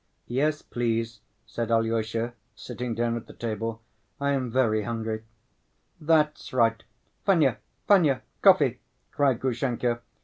"Yes, please," said Alyosha, sitting down at the table. "I am very hungry." "That's right. Fenya, Fenya, coffee," cried Grushenka.